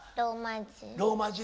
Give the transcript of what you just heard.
ローマ字。